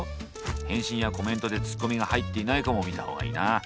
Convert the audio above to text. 返信やコメントでツッコミが入っていないかも見た方がいいな。